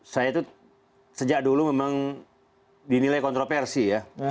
saya itu sejak dulu memang dinilai kontroversi ya